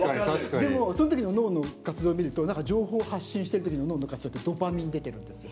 でもそのときの脳の活動見るとなんか情報を発信してるときの脳の活動ってドーパミン出てるんですよ。